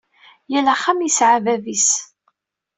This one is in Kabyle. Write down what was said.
Yal axxam yesɛa bab-is.